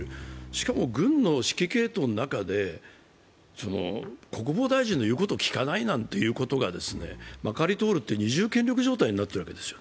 しかも軍の指揮系統の中で国防大臣の言うことを聞かないなんてことがまかり通るって二重権力状態になってるんですよ。